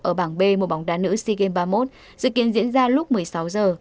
ở bảng b một bóng đá nữ sea games ba mươi một dự kiến diễn ra lúc một mươi sáu giờ